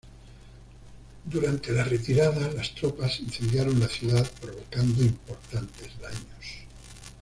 Durante la retirada, las tropas incendiaron la ciudad, provocando importantes daños.